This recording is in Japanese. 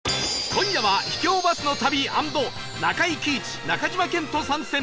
今夜は秘境バスの旅＆中井貴一中島健人参戦